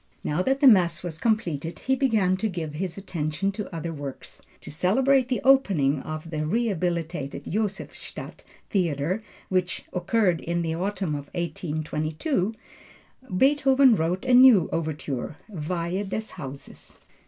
Now that the Mass was completed he began to give his attention to other works. To celebrate the opening of the rehabilitated Josephstadt theatre which occurred in the autumn of 1822, Beethoven wrote a new overture, Weihe des Hauses.